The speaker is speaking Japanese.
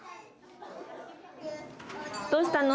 どうしたの？